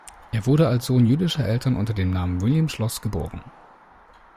Er wurde als Sohn jüdischer Eltern unter dem Namen "William Schloss" geboren.